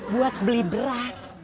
buat beli beras